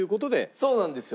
そうなんですよ。